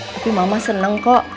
tapi mama seneng kok